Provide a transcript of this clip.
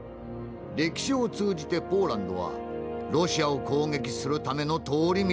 歴史を通じてポーランドはロシアを攻撃するための通り道となってきたからです。